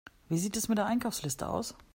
Wie sieht es mit der Einkaufsliste aus?